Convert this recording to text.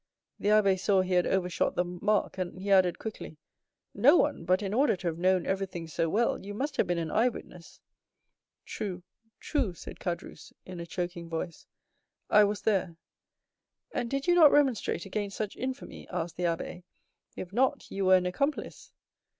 The abbé saw he had overshot the mark, and he added quickly,—"No one; but in order to have known everything so well, you must have been an eye witness." "True, true!" said Caderousse in a choking voice, "I was there." "And did you not remonstrate against such infamy?" asked the abbé; "if not, you were an accomplice."